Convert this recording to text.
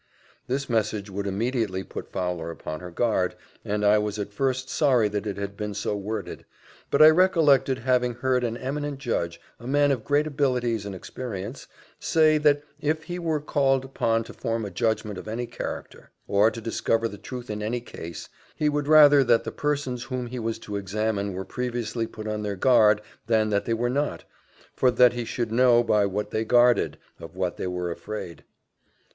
This message would immediately put Fowler upon her guard, and I was at first sorry that it had been so worded; but I recollected having heard an eminent judge, a man of great abilities and experience, say, that if he were called upon to form a judgment of any character, or to discover the truth in any case, he would rather that the persons whom he was to examine were previously put on their guard, than that they were not; for that he should know, by what they guarded, of what they were afraid.